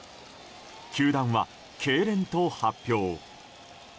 球団は、けいれんと発表。